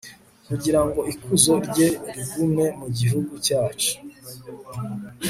kugira ngo ikuzo rye rigume mu gihugu cyacu